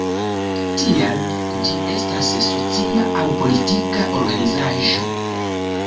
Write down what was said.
Tiel, ĝi estas socia aŭ politika organizaĵo.